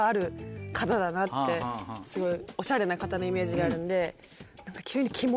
すごいおしゃれな方のイメージがあるんで。